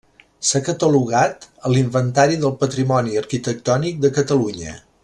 S'ha catalogat a l'Inventari del Patrimoni Arquitectònic de Catalunya.